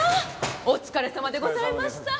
お疲れさまでございました。